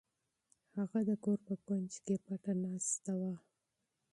هغه د کور په کونج کې پټه ناسته وه.